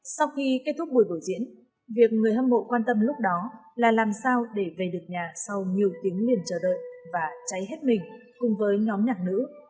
sau khi kết thúc buổi biểu diễn việc người hâm mộ quan tâm lúc đó là làm sao để về được nhà sau nhiều tiếng liền chờ đợi và cháy hết mình cùng với nhóm nhạc nữ